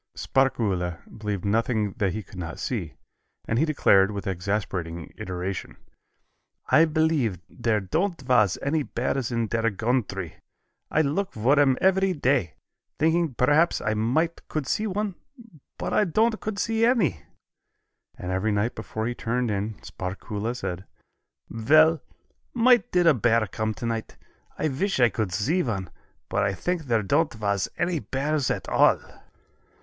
Sparkuhle believed nothing that he could not see, and he declared, with exasperating iteration, "I believe there don't vas any bears in der gountry. I look for 'em every day, thinking perhaps might I could see one, but I don't could see any." And every night before he turned in, Sparkuhle said: "Vell, might did a bear come tonight. I wish I could see one, but I think there don't vas any bears at all."